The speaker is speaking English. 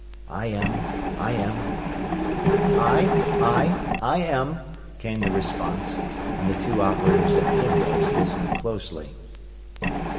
"IM, IM " "I, I, IM," came the response, and the two operators at Foothills listened closely.